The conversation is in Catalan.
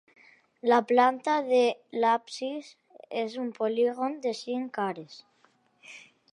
La planta de l'absis és un polígon de cinc cares.